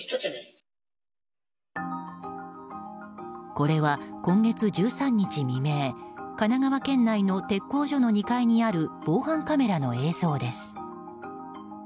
これは今月１３日未明神奈川県内の鉄工所の２階にある防犯カメラの映像です。